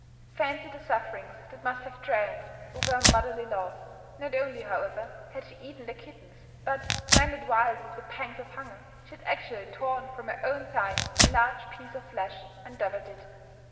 Fancy the sufferings that must have triumphed over her motherly love. Not only, however, had she eaten the kittens; but, rendered wild by the pangs of hunger, she had actually torn from her own thigh a large piece of flesh, and devoured it.